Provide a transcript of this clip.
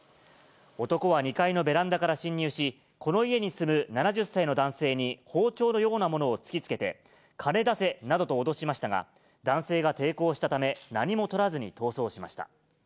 男は２階のベランダから侵入し、この家に住む７０歳の男性に包丁のようなものを突きつけて、金出せなどと脅しましたが、男性が抵抗したため、何もとらずに逃走しました。